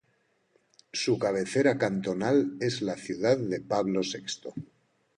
Su cabecera cantonal es la ciudad de Pablo Sexto.